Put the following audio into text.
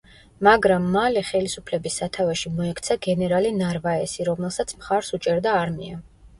მაგრამ მალე ხელისუფლების სათავეში მოექცა გენერალი ნარვაესი, რომელსაც მხარს უჭერდა არმია.